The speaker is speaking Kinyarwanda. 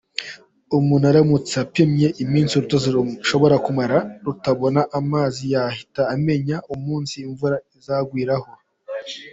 Umuntu aramutse apimye iminsi urutozi rushobora kumara rutabona amazi, yahita amenya umunsi imvura izagwiraho.